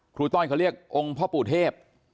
ต้อยเขาเรียกองค์พ่อปู่เทพ